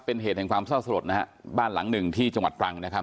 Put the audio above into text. เป็นเหตุแห่งความเศร้าสลดนะฮะบ้านหลังหนึ่งที่จังหวัดตรังนะครับ